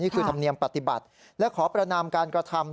ธรรมเนียมปฏิบัติและขอประนามการกระทำ